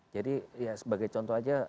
jadi ya sebagai contoh aja